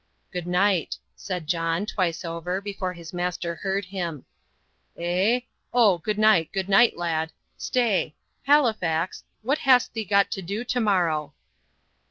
"Good night," said John, twice over, before his master heard him. "Eh? Oh, good night, good night, lad! Stay! Halifax, what hast thee got to do to morrow?"